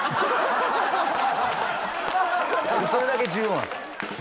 それだけ重要なんす。